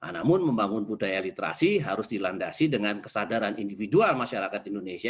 namun membangun budaya literasi harus dilandasi dengan kesadaran individual masyarakat indonesia